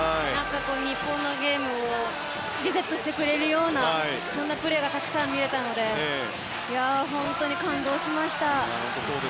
日本のゲームをリセットしてくれるようなゲームがたくさん見れたので本当に感動しました。